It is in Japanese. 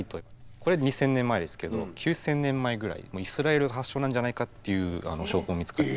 これ２０００年前ですけど９０００年前ぐらいイスラエル発祥なんじゃないかっていう証拠も見つかって。